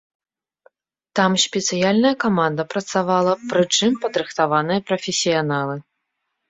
Там спецыяльная каманда працавала, прычым, падрыхтаваныя прафесіяналы.